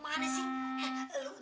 makasih abie beliin buatmu juga ya